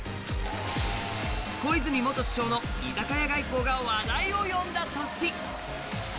小泉元首相の居酒屋外交が話題を呼んだ年。